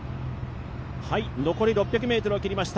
残り６００ｍを切りました。